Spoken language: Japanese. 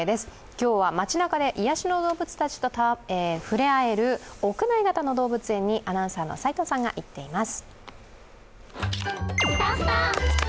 今日は街なかで癒やしの動物たちと触れ合える屋内型の動物園にアナウンサーの齋藤さんが行っています。